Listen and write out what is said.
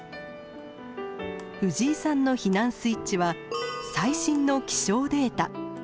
藤井さんの避難スイッチは最新の気象データ。